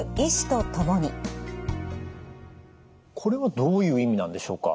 これはどういう意味なんでしょうか？